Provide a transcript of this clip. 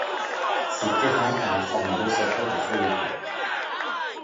Ces terrains allaient former l'ossature de Soweto.